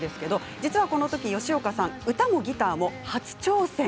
実はこのとき吉岡さん歌もギターも初挑戦。